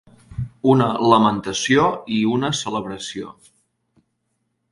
Una lamentació i una celebració.